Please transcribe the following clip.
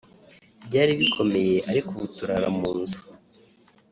byari bikomeye ariko ubu turara mu nzu